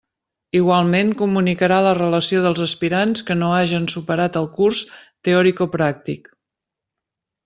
Igualment comunicarà la relació dels aspirants que no hagen superat el curs teoricopràctic.